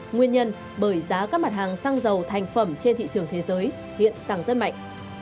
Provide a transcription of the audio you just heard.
nguyên nhân bởi giá các mặt hàng xăng dầu thành phẩm trên thị trường thế giới hiện tăng rất mạnh